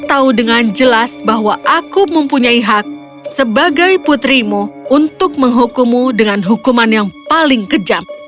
kita tahu dengan jelas bahwa aku mempunyai hak sebagai putrimu untuk menghukummu dengan hukuman yang paling kejam